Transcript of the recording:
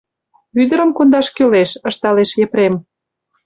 — Ӱдырым кондаш кӱлеш, — ышталеш Епрем.